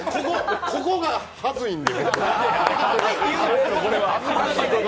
ここがはずいんで。